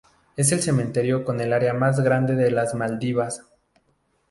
Es el cementerio con el área más grande de las Maldivas.